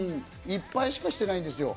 １敗しかしていない。